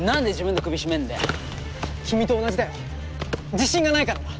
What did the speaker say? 自信がないからだ。